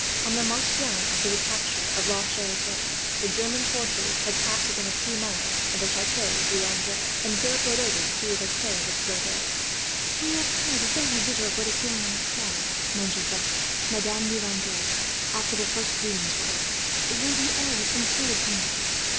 On the march down after the capture of La Charite, the German force had passed within a few miles of the Chateau de Landres; and Philip rode over to see whether Claire was still there. She received him with the frank pleasure of a girl. "We have heard very little of what is going on outside, Monsieur Fletcher," Madame de Landres said, after the first greetings were over; "though the air has been full of rumours.